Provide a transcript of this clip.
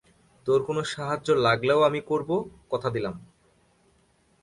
তোর কোন সাহায্য লাগলেও আমি করব, কথা দিলাম।